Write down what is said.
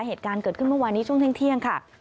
เหตุการณ์เกิดขึ้นเมื่อวานนี้ช่วงเที่ยงค่ะ